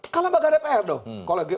kan lembaga dpr dong